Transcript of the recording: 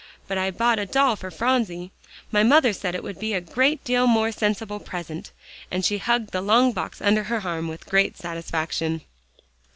But I bought a doll for Phronsie; my mother said it would be a great deal more sensible present," and she hugged the long box under her arm with great satisfaction.